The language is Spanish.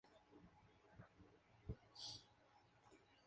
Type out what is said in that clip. Era apodado "Cara de foca".